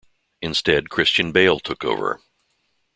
Instead Christian Bale took over.